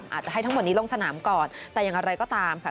อาจจะให้ทั้งหมดนี้ลงสนามก่อนแต่อย่างไรก็ตามค่ะ